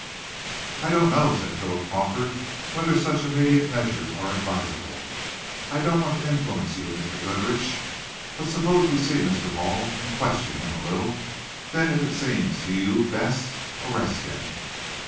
"I don't know," said Philip Crawford, "whether such immediate measures are advisable. I don't want to influence you, Mr. Goodrich, but suppose we see Mr. Hall, and question him a little. Then, if it seems to you best, arrest him."